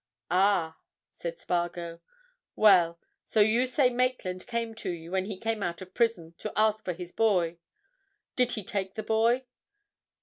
"Ah!" said Spargo. "Well, so you say Maitland came to you, when he came out of prison, to ask for his boy. Did he take the boy?"